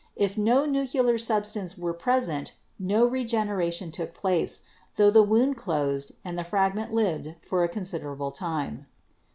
If no nuclear substance were present, no re generation took place, tho the wound closed and the frag ment lived for a considerable time.